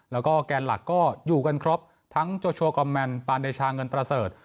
แล้วก็แกนหลักก็อยู่กันครบทั้งโจโชวกอมแมนปานเดชาเงินประเสริฐ